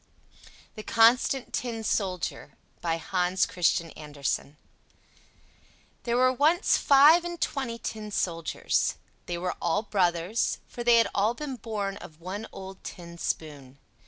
THE CONSTANT TIN SOLDIER By Hans Christian Andersen There were once five and twenty tin soldiers; they were all brothers, for they had all been born of one old tin spoon.